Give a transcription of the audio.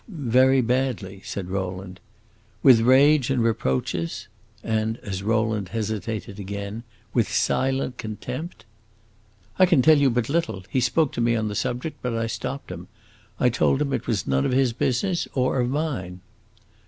"Very badly," said Rowland. "With rage and reproaches?" And as Rowland hesitated again "With silent contempt?" "I can tell you but little. He spoke to me on the subject, but I stopped him. I told him it was none of his business, or of mine."